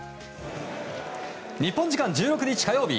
日本時間１６日、火曜日。